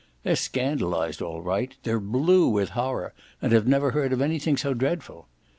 They're scandalised all right they're blue with horror and have never heard of anything so dreadful.